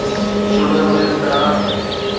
sugar mills ڏانهن